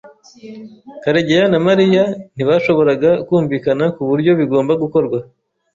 Karegeya na Mariya ntibashoboraga kumvikana kuburyo bigomba gukorwa.